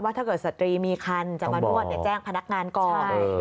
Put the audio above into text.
ถ้าเกิดสตรีมีคันจะมานวดแจ้งพนักงานก่อน